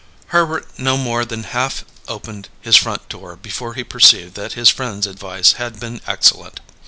Herbert no more than half opened his front door before he perceived that his friend's advice had been excellent.